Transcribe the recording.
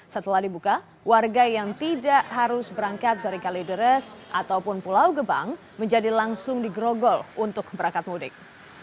setelah dibuka warga yang tidak harus berangkat dari kalideres ataupun pulau gebang menjadi langsung di grogol untuk berangkat mudik